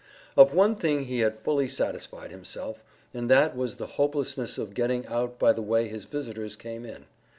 Of one thing he had fully satisfied himself, and that was the hopelessness of getting out by the way his visitors came in.